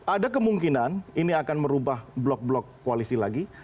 ada kemungkinan ini akan merubah blok blok koalisi lagi